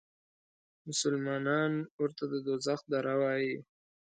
مسلمانان ورته د دوزخ دره وایي.